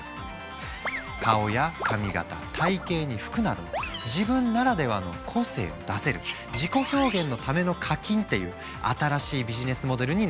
顔や髪形体型に服など自分ならではの個性を出せる自己表現のための課金っていう新しいビジネスモデルになったんだ。